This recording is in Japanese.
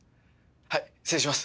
はい失礼します。